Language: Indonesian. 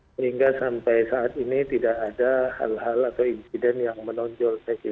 sehingga sampai saat ini tidak ada hal hal atau insiden yang menonjol